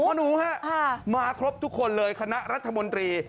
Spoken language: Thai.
หนูฮะมาครบทุกคนเลยคณะรัฐมนตรี